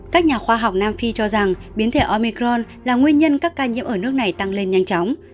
các nhà khoa học nam phi cho rằng biến thể omicron là nguyên nhân các ca nhiễm ở nước này tăng lên nhanh chóng